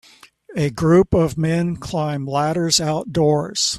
A group of men climb ladders outdoors